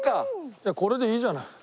いやこれでいいじゃない。